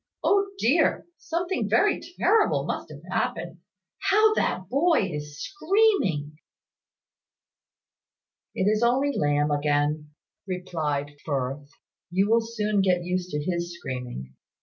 "O dear! Something very terrible must have happened. How that boy is screaming!" "It is only Lamb again," replied Firth. "You will soon get used to his screaming.